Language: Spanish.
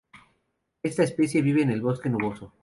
Esta especie vive en el bosque nuboso.